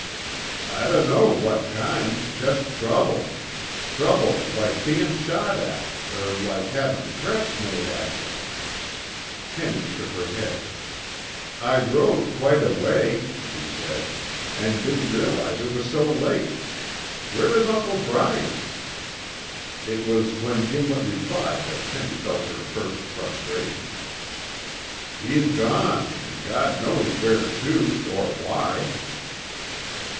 "I dunno what kind, jest trouble. Trouble like bein' shot at, or like havin' threats made at yuh." Penny shook her head. "I rode quite a way," she said, "and didn't realize it was so late. Where is Uncle Bryant?" It was when Gimlet replied that Penny felt her first frustration. "He's gone, an' God knows where to, or why."